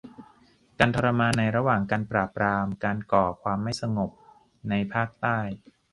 : การทรมานในระหว่างการปราบปรามการก่อความไม่สงบในภาคใต้